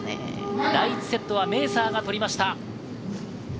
第１セットはメーサーが取りました。